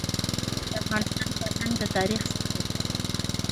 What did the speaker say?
د افغانستان فرهنګ د تاریخ زېږنده دی.